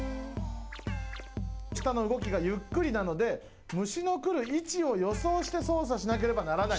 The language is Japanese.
舌の動きがゆっくりなので虫の来る位置を予想して操作しなければならない。